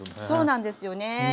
そうなんですよね